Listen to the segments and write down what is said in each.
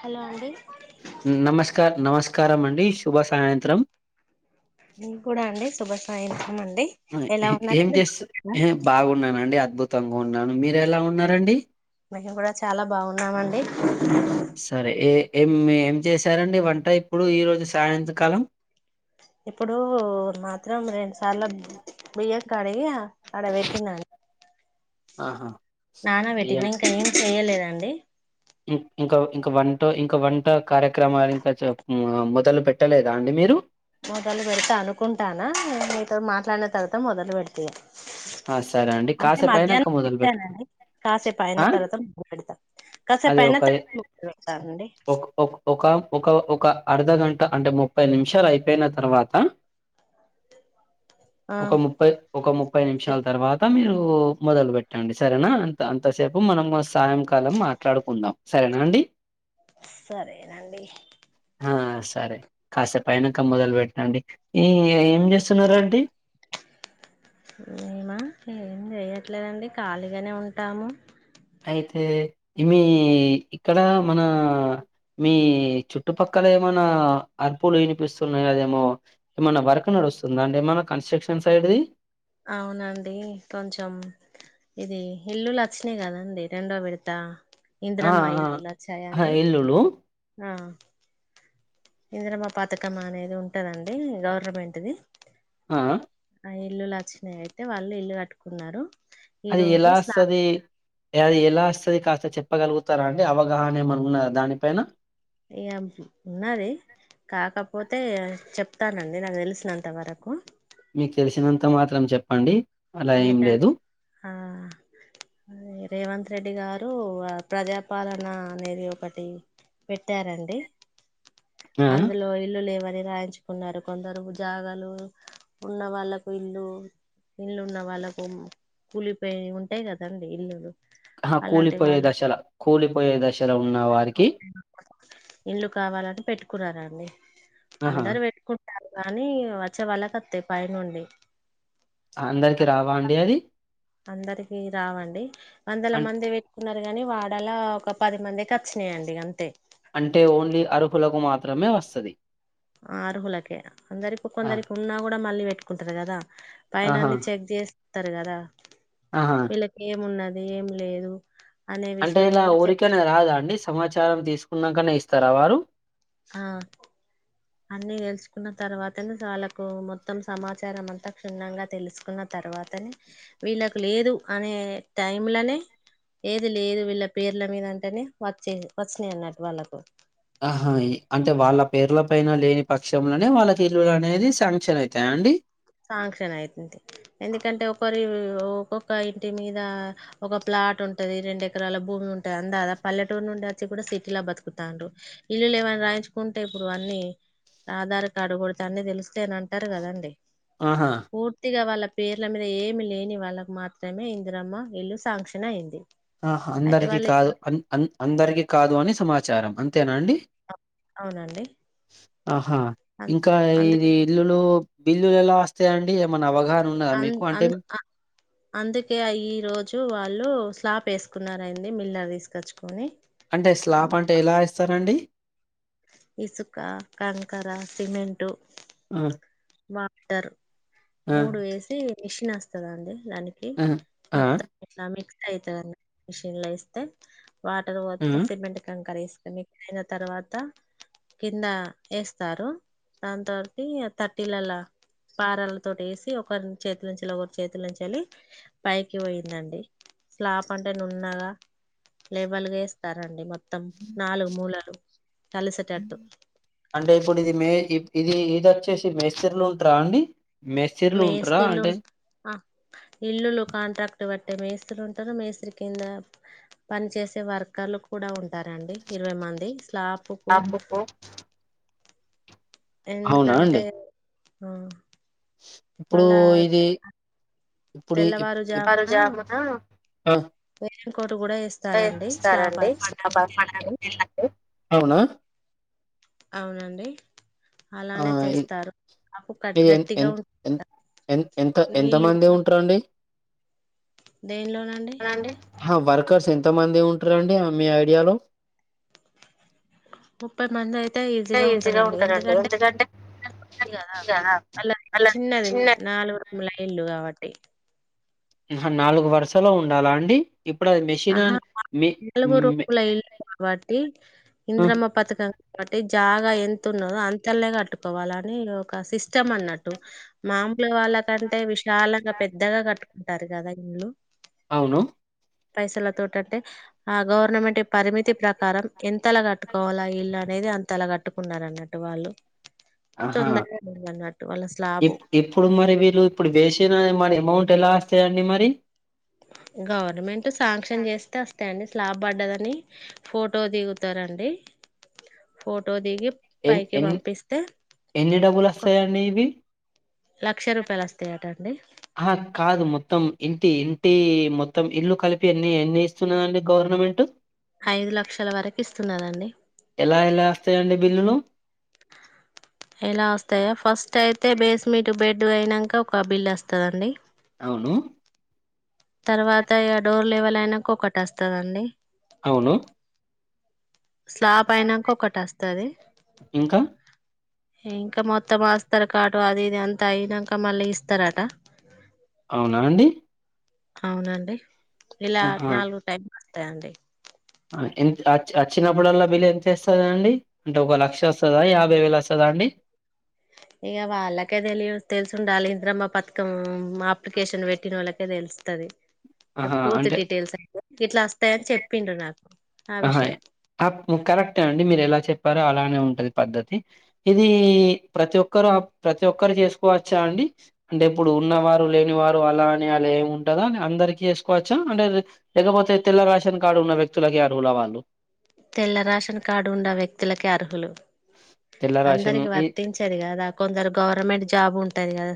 Hello అండి ఉ నమస్కార్ నమస్ కారం అండి శుభ సాయంత్రం నేను కూడా అండి శుభ సాయి ఆ ఏం చేస్ బాగున్నానండి అద్భుతంగా ఉన్నాను మీరు ఎలా ఉన్నారండి మేము కూడా చాలా బాగున్నామండి సరే ఏ ఏం ఏం చేశారండి వంట ఇప్పుడు ఈ రోజు సాయంత్రకాలం ఇప్పుడు మాత్రం రెండు సార్లు బియ్య కాడయ్యా అడ వెట్టిన ఆహా నాన వెట్టినా ఇంకా ఏం చేయలేద డి ఉ ఇంకా ఇంక వంట ఇంకా వంట కార్యక్రమాలు ఇంకా చ మొదలు పెట్టలేదా అండి మీరు మొదలు పెడతా అనుకుంటానా మీతో మాట్లాడిన తర్వాత మొదలు పెడితి ఆ సరే అండి కాసేపు అయినాక మొదలు పెట్టుకో పెట్టానండి కాసేపు అయిన ఆ తర్వాత మొదలు పెడతా కాసేపు అదే అయిన ఒక తర్వాత మొదలు పెడతానండి ఒక్ ఒక్ ఒక ఒక ఒక అర్ధ గంట అంటే ముప్పై నిమిషాలు అయిపోయిన తర్వాత ఆ ఒక ముప్పై ఒక ముప్పై నిమిషాల తర్వాత మీరు ఉ మొదలు పెట్టండి సరేనా అన్ అంతసేపు మనం సాయంకాలం మా ట్లాడుకుందాం సరేనా అండి సరేనండి ఆ సరే కాసేపు అయినాక మొదలు పెట్టన్డి ఈ ఏం చేస్తున్నారండి మేమా ఏం చేయట్లేదండి ఖాళీగానే ఉంటాము అయితే మీ ఇక్కడ మన మీ చుట్టుపక్కల ఏమైనా అర్పులు వినిపిస్తున్నాయి గద ఏమో ఏమనా వర్క్ నడుస్తుంద అంటే ఏమైనా కన్స్ట్రక్షన్ సై ఏది అవునండి కొంచెం ఇది ఇల్లులు వచ్చినయి కదండి రెండో విడుత్ త ఆ ఇంద్రమ్మ ఆ ఇల్లులు ఆ, వచ్చాయండి ఇల్లులు ఆ ఇంద్రమ్మ పతకం అనేది ఉంటదండి గవర్నమెంట్దిి ఆ ఆ ఇల్లులు వచ్చినాయి అయితే వాళ్ళు ఇల్లు కట్టుకున్నారు ఈ అది రోజు ఎలా స్లా వస్సది అది ఎలా వస్తుంది కాస్త చెప్పగలుగుతారా అండి అవగాహన ఏమన్న ఉన్నద దానిపైన ఏం ఉన్నది కాక ప్ పోతే చెప్తానండి నాకు తెలిసినంత వరకు మీకు తెలిసినంత మాత్రం చెప్పండి అలా ఏం ఎందుకన్ లేదు ఆ అద్ రేవంత్ రెడ్డి గారు ప్రజాపాలన అనేది ఒకటి పెట్టారండి ఆ అందులో ఇల్లులేవరెవ్ రాయించుకున్నారు కొందరు జాగాలు ఉన్న వాళ్ళకు ఇల్లు ఇల్లు ఉన్న వాళ్ళకు కూలిపోయి ఉంటాయి కదండి ఇల్లులు ఆ అలాంటి కూలిపోయే వాళ్ళకు దశల కూలిపోయే దశలో ఉన్న వారికి ఇళ్లు కావాలని పెట్టుకున్నారండి ఆహా అందరు పెట్టుకుంటారు కానీ వచ్చే వాళ్ళకత్తయ్ పై నుండి అందరికి రావ అండి అది అందరికి రావండి వందల అం మంది పెట్టుకున్నార్ కాని వాడలా ఒక పది మందికి వచ్చినాయండి అంతే అంటే ఓన్లీ అర్హులకు మాత్రమే వస్సది అర్హులకే అందరికి ఆ కొందరికి ఉన్నా కూడా మళ్ళీ పెట్టుకుంటారు కదా పైన ఆహా అన్నీ చెక్ చేస్తరు కదా ఆహా వీళ్ళకు ఏమున్న ద్ ఏం లేదు అనే అంటే విషయం ఇలా మీద చెప్ ఊరికనే రాదా అండి సమాచారం తీసుకున్నాకనే ఇస్తారా వారు ఆ అన్ని గెలుచుకున్న తర్వాతనే వాళ్కు మొత్తం సమాచారం అంతా క్షుణ్ణంగా తెలుసుకున్న తర్వాతనే వీళ్ళకు లేదు అనే టైంలనే ఏది లేదు వీళ్ళ పేర్ల మీద అంటేనే వచ్చేద్ వచ్చినాయి అన్నట్టు వాళ్ళకు ఆ అంటే వాళ్ళ పేర్ల పైన లేని పక్షంలోనే వాళ్ళకి ఇల్లులు అనేది శాంక్షన్ అయ్ తాయ అండి సాంక్షన్ అయితుంది ఎందుకంటే ఒకరి ఒక్కొక్క ఇంటి మీద ఒక ప్లా ప్లాట్ ఉంటది రెండు ఎకరాల భూమి ఉంటది అందా పల్లెటూరు నుండి వచ్చి కూడా సిటీలో బతుకుతాండ్రూ ఇల్ లే ఏమన్న రాయించుకుంటే ఇప్పుడు అన్నీ ఆధార్ కార్డు కొడితే అన్ని తెలిస్తయ్ అని అంటారు కదండి ఆహా పూర్తిగా వాళ్ళ క్ పేర్ల మీద ఏమి లేని వాళ్ళకు మాత్రమే ఇందిరమ్మ ఇల్లు శాంక్షన్ అయింది ఆహ అయితే అందరికీ వాళ్ళు కాదు అన్ అన్ అందరికీ కాదు అని సమాచారం అంతేనా అండి అవునండి ఆహా అ ఇంకా ఇది అందుకే ఇల్లులు బిల్లులు ఎలా వస్తాయిండి ఏమన్ అంధ్ అంధ్ అ అందుకే ఆ ఈ రోజు వాళ్ళు స్లాప్ ఏసుకున్నారయింది మిల్లర్ తీసుకొచ్చుకొని అంటే స్లాప్ అంటే ఎలా ఏస్తారండి ఇసుక కంకర సిమెంటు ఆ వాటర్ ఆ మూడు వేసి మిషిన్ వస్తదండి దానికి ఆ ఆ మొత్తం ఇట్లా మిక్స్ అయితదండి మిషన్ లో ఏస్తే వాటర్ ఆ ఓతె సిమెంట్ కంకరీస్ అయిన తర్వాత కింద ఏస్తారు దాని తోటి ఇల్లలా పారాలతోటి ఏసి ఒకరి చేతుల్ నుంచి ఒగర్ చేతుల్ నుంచి ఎళ్ళ పైకి వోయిందండి స్లాప్ అంటే నున్నగా లేవల్గా ఏస్తారండి మొ త్తం నాలుగు మూలలు కలిసేటట్టు అంటే ఇప్పుడు ఇది మే ఇ- ఇది ఇది అచ్చేసి మేస్తర్లు ఉంట్రా అండి మేస్త్రీలు ఉంటారా మేస్తల్లు అంటే ఆ ఇల్లులు కాంట్రాక్ట్ బ అంటే మేస్త్రి ఉంటరు మేస్త్రి కింద పని చేేసే వర్కర్లు కూడా ఉం టారండి ఇరవై మంది స్లాపుకు ఎందుకంటే ఆ ఇప్పుడూ మళ్ళా ఇది ఇప్పుడి ఇప్ తెల్లవారుజామున వేరంకోటు కూడా వేస్తారండి స్లాబ్ పడ్డానికి ఆ తెల్లారి అవునా అవునండి అలానే చేస్తారు స్లాబ్ మీ కట్ ఎన్ గట్టిగా ఎన్ ఉం ఎన్ ఎన్ ఎంత ఎంత నీళ్ళు మంది ఉంటారండి దేనిలోనండి హా వర్క్ క్కర్స్ ఎంతమంది ఉంటారండి మీ ఐడియాలో ముప్పై మంది అయితే ఈజీగా ఉంటరండి ఎందుకంటే దా ఉంది గద అల్ల చిన్నది నాలుగు ల ఇల్లు గాబట్టి అహా నాలుగు వరుసలో ఉండాలా అండి ఇప్పుడు అది మెషిన్ అహా అని మీ నలుగురు మే కుల ఇల్లు కాబట్టి ఆ ఇంద్రమ్మ పతుక బట్టి జాగా ఎంత ఉన్నదో అంతల్నె కట్టుకోవాల అని ఒక సిస్ ఇష్టం అన్నట్టు మామూలు గా వాళ్ళకంటే విశాలంగా పెద్దగా కట్ టారు గదా ఇన్లు అవును పైసలతోటంటే ఆ గవర్నమెంట్ పరిమితి ప్రకారం ఎంతలా కట్టుకోవాలా ఇల్ల నేది అంత లా కట్టుకున్నారు అన్నట్టు వాళ్ళు ఇంకా ఆహా తొందరగా అయిందన్న ఇప్ ఇప్పుడు మరి వీళ్ళు ఇప్పుడు వేసిన మరి అమౌంట్ ఎలా వస్తాయండి మరి గవర్నమెంట్ శాంక్షన్ చేస్తే అస్తయండి లా పడ్డదని ఫోటో దిగుతరండి ఫోటో దిగి ఎ పైకి ఎ పంపిస్తే ఎన్ని డబ్బుల్ ఒక వస్తయండి ఇవి లక్ష రూపాయలు అస్తయట అండి అహా కాదు మొత్తం ఇంటి ఇంటి మొత్తం ఇల్లు కలిపి ఎన్ని ఎన్ని ఇస్తున్నాండి గర్ మంట్ ఐదు లక్షల వరకు ఇస్తున్నానండి విల్లును కయితే బేస్మెట్ బెడ్ అయినంక ఒక బిల్ అస్తదండి అవును తర్వాత ఇ డోర్ లెవెల్ అయినాక ఒకటి అస్తదండి అవును స్లాబ్ అయినాక ఒకటి వస్తుంది ఇంకా ఇంకా మొత్తం ఆస్తారు కాట అది ఇది అంత అయినాక మళ్ళీ ఇస్తారట అవునా అండి అవునండి ఇలా ఆహా నాలుగు టైం వస్తాయండి ఎంత వచ్చినప్పుడల్లా బిల్ ఎంత వస్తుందా అండి అంటే ఒక లక్షం వస్తుందా యాభై వేలు వస్తుందా అండి ఇక వాళ్ళక అదలి తెలుసు ఉండాలి ప్రథమ పథకం అప్లికేషన్ పెట్టిన వాళ్ళకే తెలుస్తుంది ఆహా పూర్తి అంటే డీటెయిల్స్ అ ఇట్లా వస్తాయని చెప్పిండడు నాకు ఆ విషయం ఆ కరెక్ట్ అండి మీరు ఎలా చెప్పారో అలానే ఉ పద్ధతి ఇది ప్రతి ఒక్కరు ప్రతి ఒక్కరు చేసుకోవచ్చా అండి డెబ్బ ఇప్పుడు ఉన్న వారు లేని వారు అలా అని అలా ఏమి ఉంటదో అని అందరిక చేసుకోవచ్చా అంటే లేకపోతే తె రాేషన్ కార్డ్ ఉన్న వ్యక్తులకుకియారులా వాళ్ళు తెల్ల రాషన్ కార్డు ఉండ వ్యక్తులక అర్హులు తెల్ల రేషన్ అందరికి ఈ వర్తించారు కదా కొందరు గవర్నమెంట్ జాబ్ు ఉంటది కదా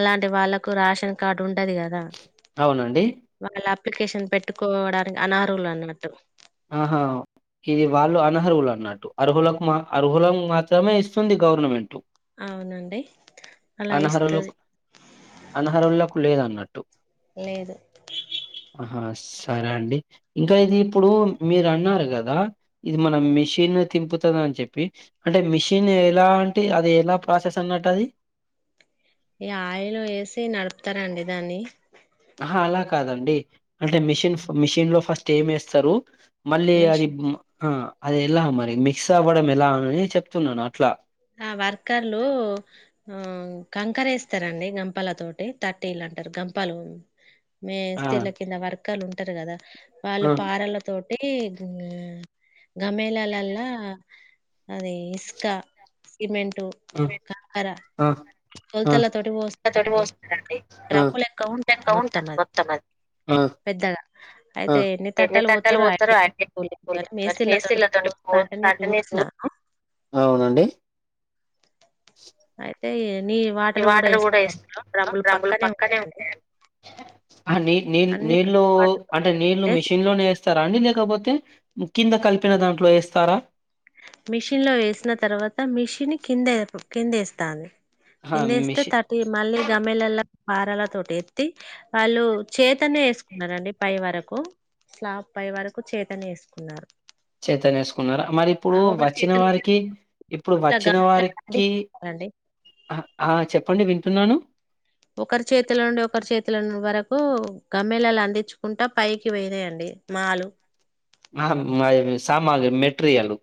అలాంటి వాళ్ళలకు రాేషన్ కార్డు ఉండదు కదా అవునండి వాళ్ళ అప్లికేషన్ పెట్టుకోవడానికి అనర్హులు అన్నట్టు ఆహా ఇది వాళ్ళు అనర్హులు అన్నట్టు అర్హులకు మా అర్హుల మాత్రమే ఇస్తుంది గవర్నమెంట్ అవునండి అలా ఇస్తది అనహహలకు లేదన్నట్టు లేదు ఆహా సరే అండి ఇంకా ఇది ఇప్పుడు మీరు అన్నారు కదా ఇది మనం మిషిన్ తింపుతుంద అని చెప్పి అంటే మిషిన్ ఎలా అంటే అది ఎదో ప్రాసెస్ అన్నట్టు అది ఈ ఆయిల్ వేసి నడుపుతారండి దాన్ని ఆహా అలా కాదండి అంటే మిషన్ మిషన్ లో ఫస్ట్ ఏం వేస్తారు మళ్ళీ అది మిషన్ ఆ అది ఎలా మరి మిక్స్ అవ్వడం ఎలా అని చెప్తున్నాను అట్లా ఆ వర్కర్లు ఆ కంకర వేస్తారంండి గంపల తోటి థర్టీలాంట ంటారు గంపాలు మే ఆ స్త్రీల కింద వర్గాలు ఉంటారు కదా వాళ్ళు ఆ పారలతో అే గమ్యలాలలా అదే ఇసుకా సిమెంటు ఖార తటి పోస్తడి డ్రమ్ము లెక్క ఉంటది ఉంటారు మొత్తం అది ఆ పెద్దగా ఆ అయితే ఎన్ని తట్టాలు పోతారోఐ కానీ మేసిలతో పోంట చూసినాను అవునండి అయితే నీ వాటర్ కూడా ఇస్తా బడమ్ములు పక్కనే ఉంటాయండి ఆ నీ నీళ్ అన్ని నీళ్లు అంటే నీళ్లు అంటే మిషన్ లోనే వేస్త స్తారా అండి లేకపోతే కింద కలిపిన దాంట్లో వేస్తారా మిషన్ లో వేసిన తర్వాత మిషిన్ కింద కింద వేస్తాంది ఆహా! కిందేస్తే మెషిన్ తటి మళ్ళీ గమలలో పారాల తోటి ఎత్తి వాళ్ళు చేతనే వేసుకున్నారండి పై వరకు స్లా పై వరకు చేతనే వేసుకున్నారు చైతన్ వేసుకున్నారా మరి ఇప్పుడు ఆ ఒకరి వచ్చిన చేతి నుంచి వారికి ఇప్పుడు ఇట్లా వచ్చిన గమ్మెలా వారికి అండి ఆ చెప్పండి వింటున్నాను ఓ గమ్మ్యలాలు అందించుకుంటా పైకి పోయినాయండి మాలు ఆ సామాగ్రి మెట్రియలు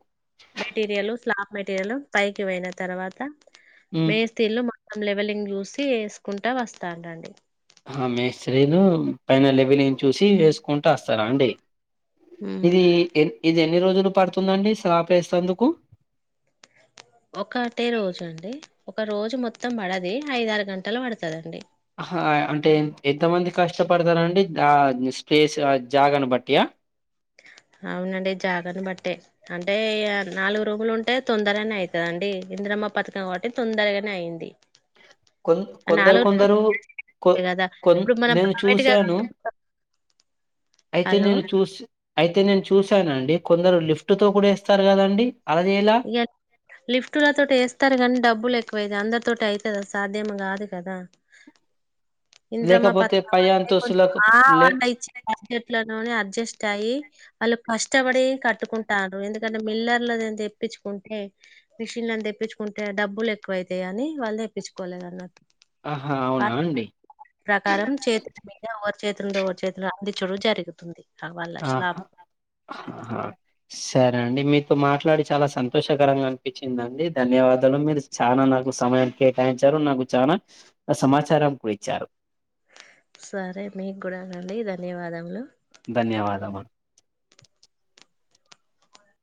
మెటీరియల్ స్లాబ్ మెటీరియల్ పైకి పోయిన తర్వాత హ్మ్. మే స్ీలు ం లెవెలింగ్ చూసి వేసుకుంటా వస్తాను రండి ఆ మిస్త్రీలు పైన లెవిలిని చూసి వేసుకుంటూ వస్తారా అండి ఉమ్. ఇది ఎన్ ఇది ఎన్ని రోజులు పడుతుందండి సపేస్థాందుకు ఒకటే రోజు అండి ఒక రోజు మొత్తం పడది ఐదరు గంటలు పడుతదండి హ అంటే ఎంతమంది కష్టపడతారండి ఆ స్పేస్ జాగని బట్టియా అవునండి జాగని బట్టే అం టే నాలుగు రూములు ఉంటే తొందరగనే అయితదండి ఇంద్రమ్మ పథకం కాబట్టి తొందరగనే అయింది కొ ఆ కొందరు నాలుగు రూములు కొందరు కొ ఉంటాయి కదా కొన్ ఇప్పుడు మనం నేను ప్రైవేట్ గా చూసాను కట్టుకుంటాం. అయితే హలో నేను చూసి అయితే నేను చూశానండి కొందరు లిఫ్ట్ తో కూడా ఎస్తారు కదండి అలా చేయాల ఇగ లిఫ్ట్ ల తో ఎస్తారు కానీ డబ్బులు ఎ ఎక్కువైతే అందరి తోటి అయితదా సాధ్యం కాదు కదా ఇంద్రమ్మ లేకపోతే పథకం పై అంటే కొంచం అంతస్తులకు ఆ లే అండ ఇచ్చే బడ్జెట్లలోనే అడ్జెస్ట్ అయ్యి వాళ్ళు కష్టపడి కట్టుకుంటాంరు ఎందుకంటే మిల్లర్లు దే చెప్ తెప్పించుకుంటే మిషన్లుని తెప్పించుకుంటే డబ్బులు ఎక్కువ అయితాయి అని వాళ్ళు తెప్పించుకోలేదు అన్న ఆహా ఆ అవునా అండి ప్రకారం చేేతులే మీద ఎవర్ చేతుండో ఒక చేతులో అంది చడు జరుగుతుంది ఆ వాళ్ళ స్లాబ్ ఆహా హా స్ సరే అండి మీతో మాట్లాడి చాలా సంతోషకరంగా అనిపించిందండి ధన్యవాదాలు మీరు చాలా నాకు సమ యం కేటాయించారు నాకు చాలా సమాచారం కూడ ఇచ్చారు సరే మీకు కూడానండి ధన్యవాదములు ధన్యవాదమా